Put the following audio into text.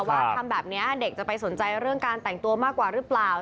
ว่าทำแบบนี้เด็กจะไปสนใจเรื่องการแต่งตัวมากกว่าหรือเปล่า